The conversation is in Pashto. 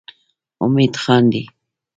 امید خاندي.